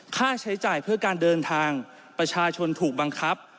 ค่าใช้จ่ายเพื่อการเดินทางประชาชนถูกบังคับ